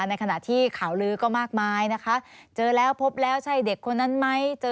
ในขณะที่ข่าวลือก็มากมายนะคะเจอแล้วพบแล้วใช่เด็กคนนั้นไหม